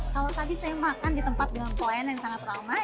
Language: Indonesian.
kalau tadi saya makan di tempat dengan pelayanan yang sangat ramai